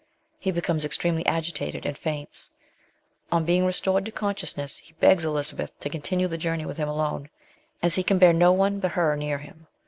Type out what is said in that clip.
He becomes extremely agitated and faints. On being restored to consciousness he begs Elizabeth to continue the journey with him alone, as he can bear no one but her near him.